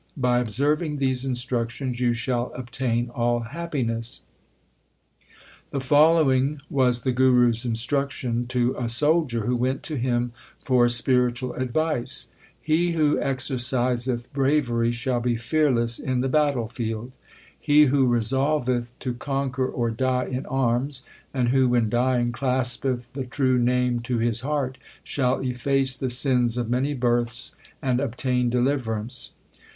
By observing these instructions you shall obtain all happiness/ The following was the Guru s instruction to a soldier who went to him for spiritual advice : He who exerciseth bravery shall be fearless in the battlefield. He who resolveth to conquer or die in arms, and who, when dying, claspeth the True Name to his heart, shall efface the sins of many births and obtain deliverance.